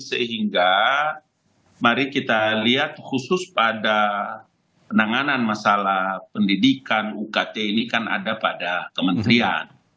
sehingga mari kita lihat khusus pada penanganan masalah pendidikan ukt ini kan ada pada kementerian